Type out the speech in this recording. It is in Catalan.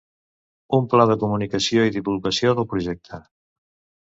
Un pla de comunicació i divulgació del projecte.